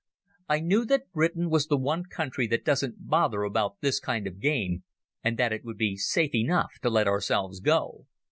I knew that Britain was the one country that doesn't bother about this kind of game, and that it would be safe enough to let ourselves go.